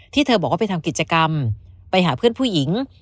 เธอบอกว่าไปทำกิจกรรมไปหาเพื่อนผู้หญิง